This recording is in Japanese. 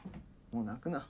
もう泣くな。